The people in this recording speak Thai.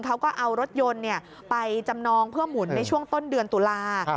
เขาก็เอารถยนต์ไปจำนองเพื่อหมุนในช่วงต้นเดือนตุลา